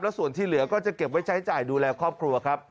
ส่วนที่เหลือก็จะเก็บไว้ใช้จ่ายดูแลครอบครัวครับ